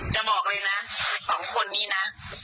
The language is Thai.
บอกเลยนะสองคนนี้นะ